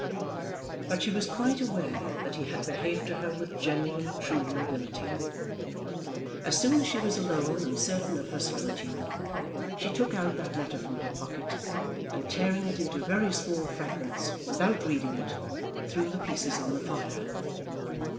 But she was quite aware that he had behaved to her with genuine, true nobility. As soon as she was alone and certain of her solitude, she took out that letter from her pocket, and tearing it into very small fragments, without reading it, threw the pieces on the fire.